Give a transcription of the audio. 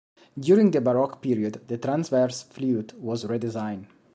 During the Baroque period, the transverse flute was redesigned.